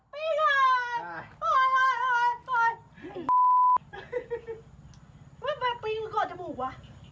มันเปลี่ยนเกิดจบมูกว่ะ